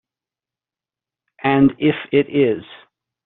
And if it is?